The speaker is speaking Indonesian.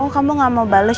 oh kamu gak mau bales